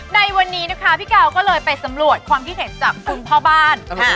ในวันนี้นะคะพี่กาวก็เลยไปสำรวจความคิดเห็นจากคุณพ่อบ้าน